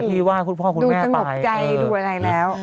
ที่ว่าคุณพ่อคุณแม่สงบใจดูอะไรแล้ว